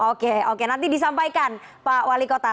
oke oke nanti disampaikan pak wali kota